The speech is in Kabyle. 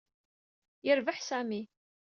Yerbeḥ Sami.